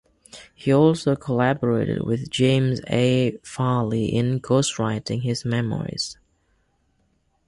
He also collaborated with James A. Farley in ghost writing his memoirs.